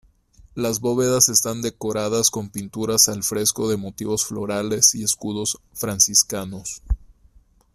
Las bóvedas están decoradas con pinturas al fresco de motivos florales y escudos franciscanos.